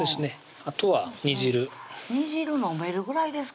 あとは煮汁煮汁飲めるぐらいですか？